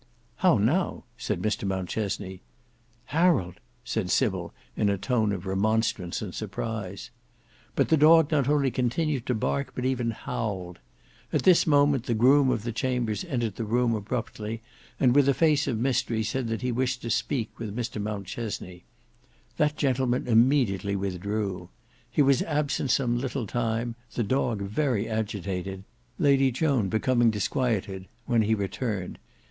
"How now!" said Mr Mountchesney. "Harold!" said Sybil in a tone of remonstrance and surprise. But the dog not only continued to bark but even howled. At this moment the groom of the chambers entered the room abruptly and with a face of mystery said that he wished to speak with Mr Mountchesney. That gentleman immediately withdrew. He was absent some little time, the dog very agitated; Lady Joan becoming disquieted, when he returned.